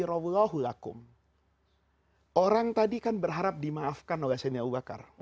orang tadi kan berharap dimaafkan oleh sayyi abu bakar